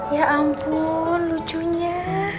ya ampun lucunya